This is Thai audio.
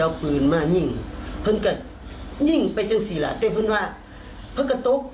เอาขึ้นไม่ได้ลูก